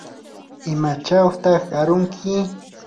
¿imachawtaq arunki?